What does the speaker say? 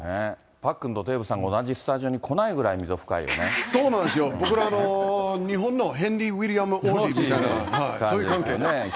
パックンとデーブさんが同じスタジオに来ないぐらいに溝が深そうなんですよ、僕、日本のヘンリー・ウィリアム王子、そういう関係に。